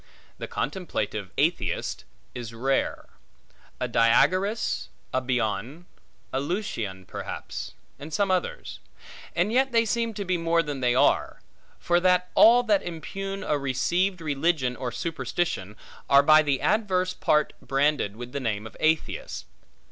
The contemplative atheist is rare: a Diagoras, a Bion, a Lucian perhaps, and some others; and yet they seem to be more than they are; for that all that impugn a received religion, or superstition, are by the adverse part branded with the name of atheists.